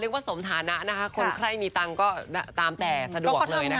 เรียกว่าสมฐานะนะคะคนใครมีตังค์ก็ตามแต่สะดวกเลยนะคะ